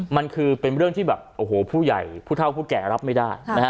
มันคือเป็นเรื่องที่ผู้ใหญ่ผู้เท่าผู้แก่รับไม่ได้